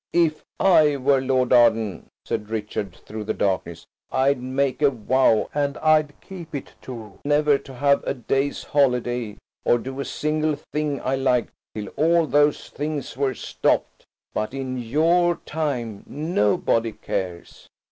"If I were Lord Arden," said Richard, through the darkness, "I'd make a vow, and I'd keep it too, never to have a day's holiday or do a single thing I liked till all those things were stopped. But in your time nobody cares."